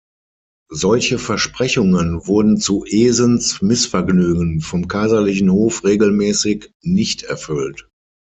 Solche Versprechungen wurden zu Esens Missvergnügen vom kaiserlichen Hof regelmäßig nicht erfüllt.